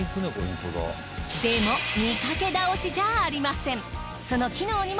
でも見掛け倒しじゃありません。